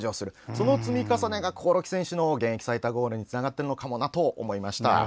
その積み重ねが興梠選手の現役最多ゴールにつながっているかもなと感じました。